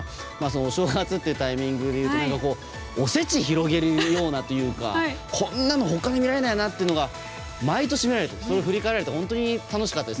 お正月というタイミングでいうとおせちを広げるというかこんなのほかで見られないよなというのが毎年見られてそれを振り返られて本当に今日も楽しかったです。